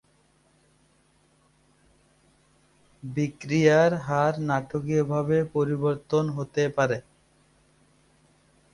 বিক্রিয়ার হার নাটকীয়ভাবে পরিবর্তিত হতে পারে।